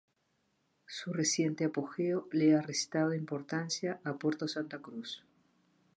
Su reciente apogeo, le ha restado importancia a Puerto Santa Cruz.